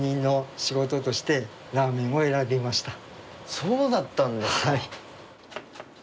そうだったんですか。